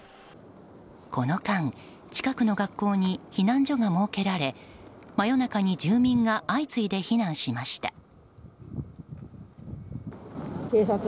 この間、近くの学校に避難所が設けられ真夜中に住民が相次いで避難しました。